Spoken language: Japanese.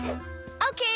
オッケー。